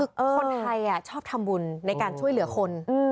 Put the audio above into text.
คือคนไทยชอบทำบุญในการช่วยเหลือคน